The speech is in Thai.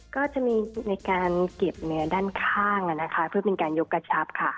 ก็จะมีการเก็บเหนือด้านข้างนะคะเพื่อเป็นการยกกระชับค่ะ